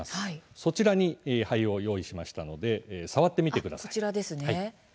そちらに灰を用意しましたので触ってみてください。